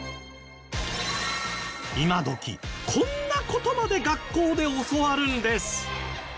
今どきこんな事まで学校で教わるんです